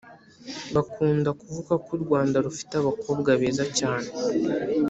Bakunda kuvuga ko u Rwanda rufite abakobwa beza cyane